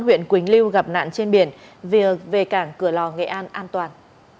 huyện quỳnh lưu gặp nạn trên biển về cảng cửa lò nghệ an an toàn